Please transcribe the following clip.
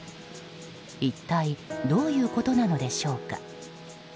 一体どういうことなのでしょうか。